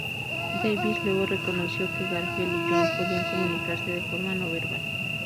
Davis luego reconoció que Garfield y Jon podían "comunicarse de forma no verbal".